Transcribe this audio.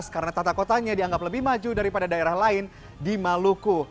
karena tata kotanya dianggap lebih maju daripada daerah lain di maluku